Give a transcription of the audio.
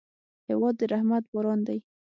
هېواد د رحمت باران دی.